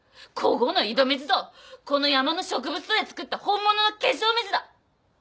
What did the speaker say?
ここの井戸水とこの山の植物とで作った本物の化粧水だ。